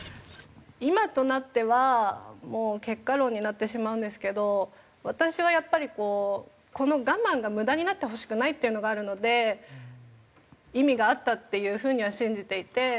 今となってはもう結果論になってしまうんですけど私はやっぱりこうこの我慢が無駄になってほしくないっていうのがあるので意味があったっていう風には信じていて。